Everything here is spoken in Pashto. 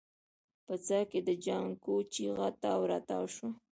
په څاه کې د جانکو چيغه تاو راتاو شوه.